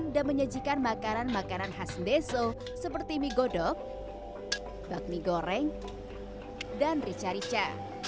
dan diberikan makanan makanan khas deso seperti mie godok bakmi goreng dan rica rica